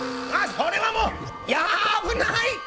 それはもうやぶない！